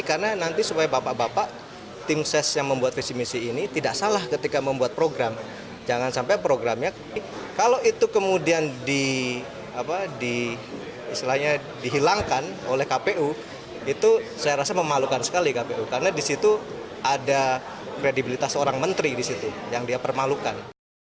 haryadin menyebut ketua kpu arief budiman meminta kedua tim ses pasangan calon menyelaraskan perubahan